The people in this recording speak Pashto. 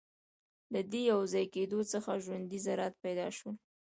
له دې یوځای کېدو څخه ژوندۍ ذرات پیدا شول.